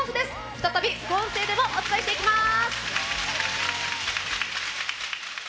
再び、副音声でもお伝えしていきます。